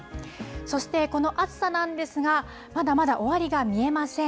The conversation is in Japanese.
そして、この暑さなんですが、まだまだ終わりが見えません。